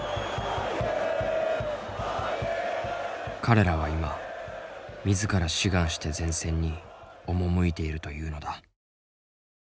彼らは今自ら志願して前線に赴いているというのだ。